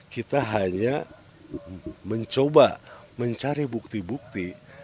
kita hanya mencoba mencari bukti bukti